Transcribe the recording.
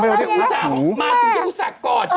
มาถึงจะอุตส่าก่อน